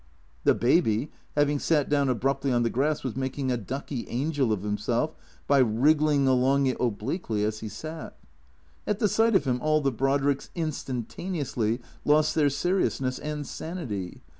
The Baby, having sat down abruptly on the grass, was making a ducky angel of himself by wriggling along it, obliquely, as he sat. At the sight of him all the Brodricks instantaneously lost their seriousness and sanity.